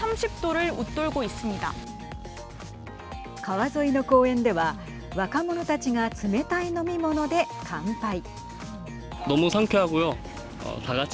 川沿いの公園では若者たちが冷たい飲み物で乾杯。